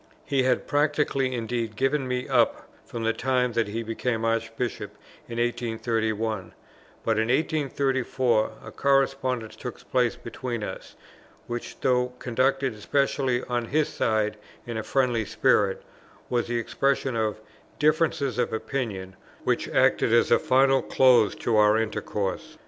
He had practically indeed given me up from the time that he became Archbishop in 1831; but in 1834 a correspondence took place between us, which, though conducted especially on his side in a friendly spirit, was the expression of differences of opinion which acted as a final close to our intercourse.